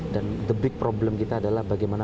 dan the big problem kita adalah bagaimana